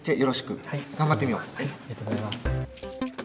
ありがとうございます。